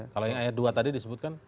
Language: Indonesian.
kalau yang ayat dua tadi disebutkan